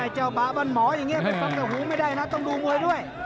เจ้าบาบรรหมอย่างเงี้ยไปฟังหูไม่ได้นะต้องดูมวยด้วย